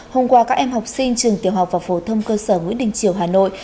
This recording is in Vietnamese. hôm qua các em học sinh trường tiểu học và phổ thông cơ sở nguyễn đình triều hà nội